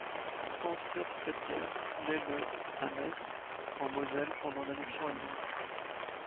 Franz Curt Fetzer naît le à Metz, en Moselle pendant l’annexion allemande.